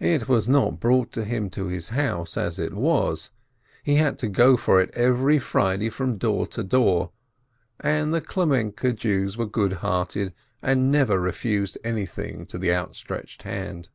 It was not brought to him to his house, as it was — he had to go for it every Friday from door to door, and the Klemenke Jews were good hearted, and never refused anything to the outstretched hand.